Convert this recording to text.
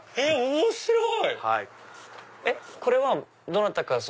面白い！